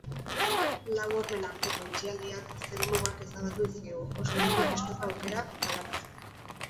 Lau hormen arteko itxialdiak zerumugak ezabatu dizkigu, oso urruti ikusteko aukera galarazi.